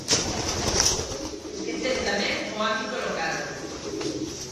Esqueceu tamén o ámbito local.